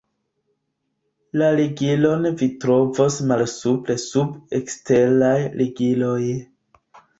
La ligilon vi trovos malsupre sub "Eksteraj ligiloj".